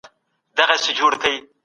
علم او پوهه د پرمختګ يوازينۍ لار ده.